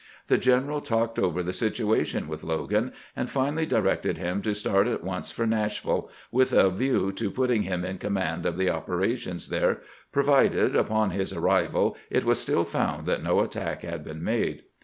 The general talked over the situation with Logan, and finally directed him to start at once for NashviUe, with a view to putting him in command of the operations there, provided, upon his arrival, it was stiU found that no attack had been made.